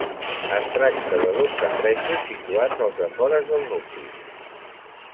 Es tracta de dos safaretjos situats als afores del nucli.